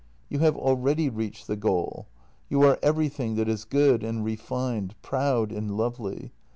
" You have already reached the goal. You are everything that is good and refined, proud and lovely.